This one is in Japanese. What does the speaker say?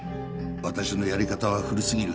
私のやり方は古すぎる。